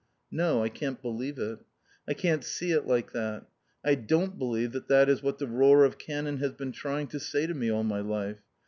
No. I can't believe it. I can't see it like that. I don't believe that that is what the roar of cannon has been trying to say to me all my life.